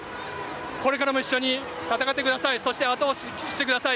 これからも一緒に戦ってください。